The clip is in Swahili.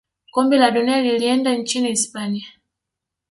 kombe la dunia lilienda nchini hispania